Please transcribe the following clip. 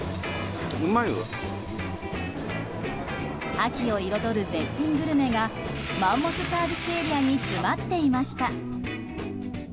秋を彩る絶品グルメがマンモスサービスエリアに詰まっていました。